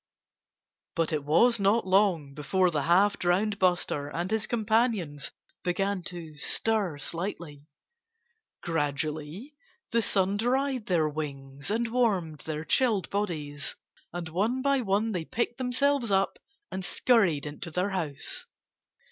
But it was not long before the half drowned Buster and his companions began to stir slightly. Gradually the sun dried their wings and warmed their chilled bodies. And one by one they picked themselves up and scurried into their house.